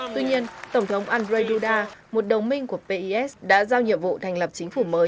tuy nhiên tổng thống andrzej duda một đồng minh của pes đã giao nhiệm vụ thành lập chính phủ mới